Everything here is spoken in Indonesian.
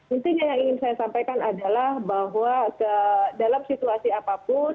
intinya yang ingin saya sampaikan adalah bahwa dalam situasi apapun